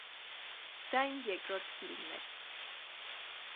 Դա իմ երկրորդ ֆիլմն էր։